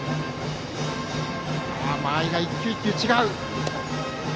間合いが１球１球、違う。